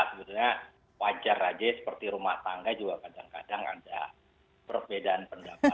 sebenarnya wajar aja seperti rumah tangga juga kadang kadang ada perbedaan pendapat